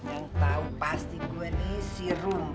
yang tau pasti gue nih si rum